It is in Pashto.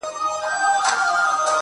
اغزي چاپيره دي تر ما، خالقه گل زه یم,